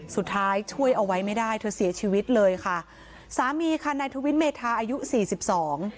ช่วยเอาไว้ไม่ได้เธอเสียชีวิตเลยค่ะสามีค่ะนายทวินเมธาอายุสี่สิบสอง